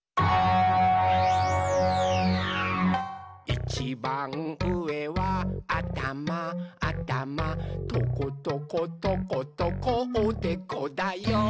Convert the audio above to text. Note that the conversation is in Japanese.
「いちばんうえはあたまあたまトコトコトコトコおでこだよ！」